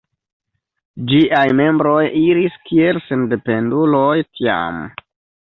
Ĝiaj membroj iris kiel sendependuloj tiam.